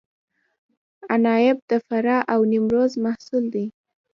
عناب د فراه او نیمروز محصول دی.